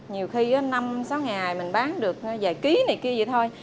nhiều khi năm sáu ngày mình bán được vài ký này kia vậy thôi